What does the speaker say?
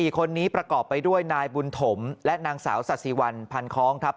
๔คนนี้ประกอบไปด้วยนายบุญถมและนางสาวศาสิวันพันคล้องครับ